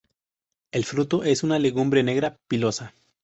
El fruto es una legumbre negra pilosa.